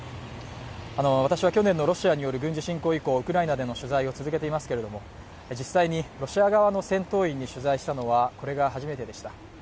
私は去年のロシアによる軍事侵攻以降、ウクライナでの取材を続けていますけども、実際にロシア側の戦闘員に取材したのはこれが初めてでした。